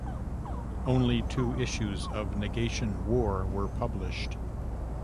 Only two issues of "Negation: War" were published.